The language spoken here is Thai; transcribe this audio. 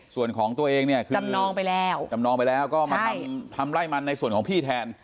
ส่วนของตัวเองเนี่ยคือจำนองไปแล้วจำนองไปแล้วก็มาทำไร่มันในส่วนของพี่แทน